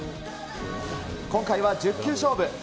今回は１０球勝負。